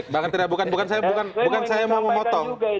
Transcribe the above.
bukan saya mau memotong